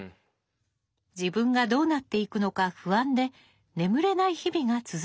自分がどうなっていくのか不安で眠れない日々が続きました。